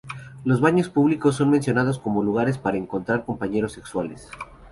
Los baños públicos son mencionados como lugares para encontrar compañeros sexuales.